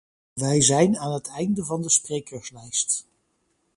Wij zijn aan het einde van de sprekerslijst.